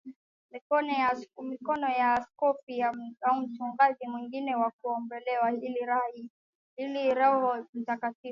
mikono na askofu au mchungaji mwingine na kuombewa ili Roho Mtakatifu